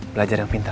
belajar yang pintar